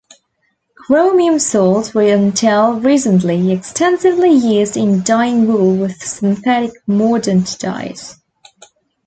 Chromium salts were until recently extensively used in dyeing wool with synthetic mordant dyes.